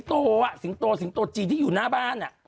โตอ่ะสิงโตสิงโตจีนที่อยู่หน้าบ้าน